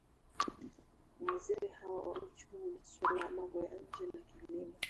mawaziri hawa wa uchumi masuala ya mambo ya nje na kilimo